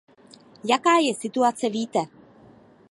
Jaká je situace, víte.